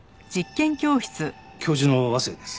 教授の和斉です。